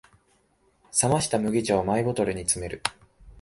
冷ました麦茶をマイボトルに詰める